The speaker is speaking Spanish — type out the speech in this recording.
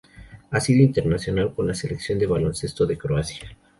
Ha sido internacional con la Selección de baloncesto de Croacia.